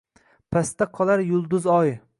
Pastda qolar yulduz-oy